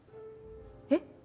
えっ？